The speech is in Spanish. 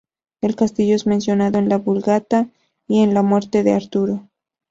El castillo es mencionado en la "Vulgata" y en "La muerte de Arturo".